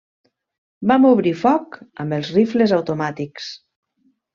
Vam obrir foc amb els rifles automàtics.